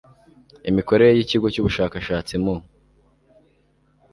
imikorere y Ikigo cy Ubushakashatsi mu